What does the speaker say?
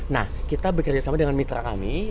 nah kita bekerja sama dengan mitra kami